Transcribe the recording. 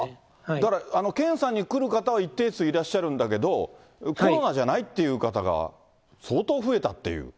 だから、検査に来る方は一定数いらっしゃるんだけど、コロナじゃないっていう方が、相当増えたっていう。